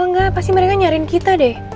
enggak pasti mereka nyariin kita deh